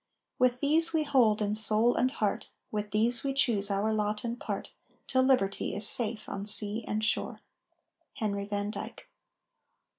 With these we hold in soul and heart, With these we choose our lot and part, Till liberty is safe on sea and shore. HENRY VAN DYKE.